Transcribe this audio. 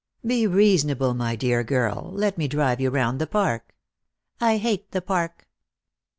"Be reasonable, my dear girl. Let me drive you round the Park." " I hate the Park."